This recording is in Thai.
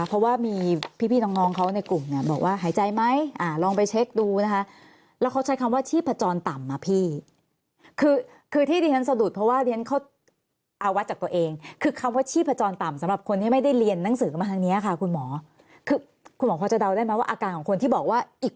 เพราะว่ามีพี่น้องเขาในกลุ่มเนี่ยบอกว่าหายใจไหมลองไปเช็คดูนะคะแล้วเขาใช้คำว่าชีพจรต่ำอ่ะพี่คือคือที่ดิฉันสะดุดเพราะว่าเรียนเขาเอาวัดจากตัวเองคือคำว่าชีพจรต่ำสำหรับคนที่ไม่ได้เรียนหนังสือมาทางนี้ค่ะคุณหมอคือคุณหมอพอจะเดาได้ไหมว่าอาการของคนที่บอกว่าอีก